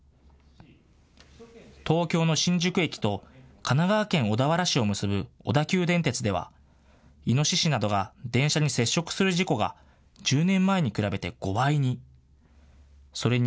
東京の新宿駅と神奈川県小田原市を結ぶ小田急電鉄では、いのししなどが電車に接触する事故が１０年前に比べて５倍に。